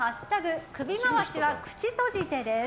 首回しは口閉じて」です。